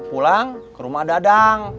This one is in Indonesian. pulang ke rumah dadang